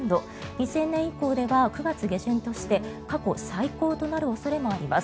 ２０００年以降では９月下旬として過去最高となる恐れもあります。